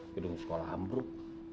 gedung sekolah ambruk